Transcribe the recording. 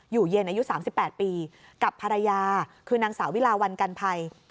อยู่เย็นอายุสามสิบแปดปีกับภรรยาคือนางสาววิลาวันกันไพร